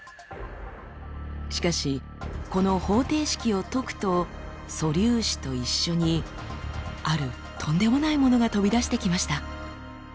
しかしこの方程式を解くと素粒子と一緒にあるとんでもないものが飛び出してきました。